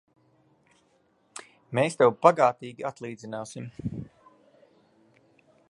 Mēs tev bagātīgi atlīdzināsim!